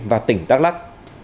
và tỉnh đắk lắc